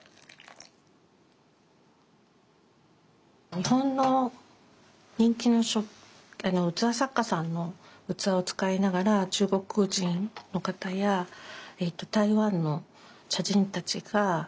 日本の人気の器作家さんの器を使いながら中国人の方や台湾の茶人たちが入れるようになって。